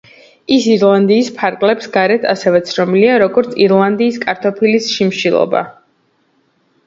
ის ირლანდიის ფარგლებს გარეთ ასევე ცნობილია, როგორც ირლანდიის კარტოფილის შიმშილობა.